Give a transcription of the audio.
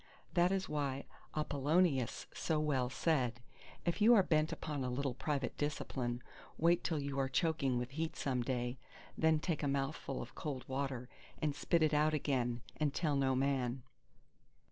This is why Apollonius so well said: "If you are bent upon a little private discipline, wait till you are choking with heat some day—then take a mouthful of cold water, and spit it out again, and tell no man!"